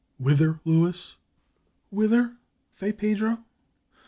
"Whither, Luis?" "Whither, Fray Pedro?